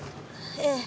ええ。